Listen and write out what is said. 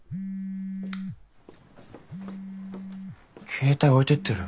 携帯置いてってる。